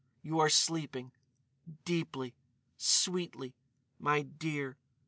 You are sleeping, ... deeply ... sweetly ... my dear ...